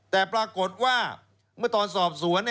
แต่ปรากฏว่าเมื่อตอนสอบสวน